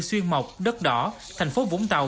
xuyên mộc đất đỏ thành phố vũng tàu